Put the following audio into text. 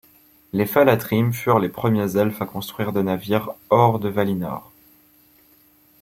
Les Falathrim furent les premiers elfes à construire des navires hors de Valinor.